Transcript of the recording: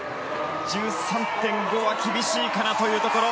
１３．５は厳しいかなというところ。